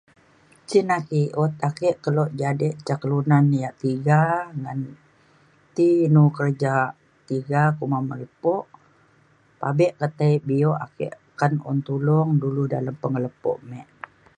Jin ake i'iut ake kelo jadi jah kelunan ya tiga ngan ti inu kerja tiga kuma ma lepo pabe ketai bio ake akan tulung dulu dalem penglepo mik.